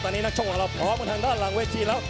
ตอนนี้นักชกของเราพร้อมทางด้านหลังเวทีแล้ว